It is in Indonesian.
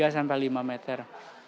tiga sampai lima meter